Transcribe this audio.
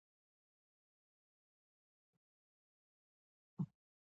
مسیحیان او یهودان لږکي دي.